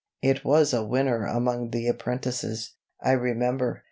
It was a winner among the apprentices, I remember.